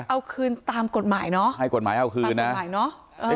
เอาคืนตามกฎหมายเนอะตามกฎหมายเนอะให้กฎหมายเอาคืนนะ